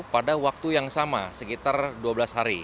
pada waktu yang sama sekitar dua belas hari